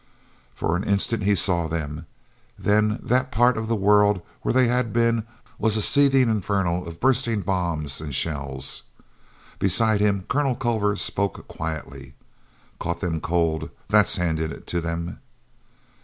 For an instant he saw them—then that part of the world where they had been was a seething inferno of bursting bombs and shells. Beside him Colonel Culver spoke quietly: "Caught them cold! That's handing it to them."